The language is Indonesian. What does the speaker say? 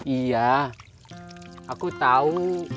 iya aku tau